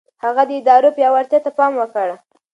هغه د ادارو پياوړتيا ته پام وکړ.